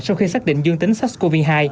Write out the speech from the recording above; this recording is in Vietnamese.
sau khi xác định dương tính sars cov hai